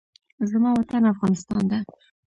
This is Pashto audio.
زما وطن افغانستان ده